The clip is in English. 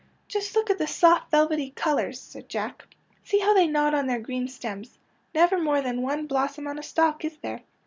^^ Just look at the soft, velvety colours, " said Jack. '' See how they nod on their green stems. Never more than one blossom on a stalk, is there?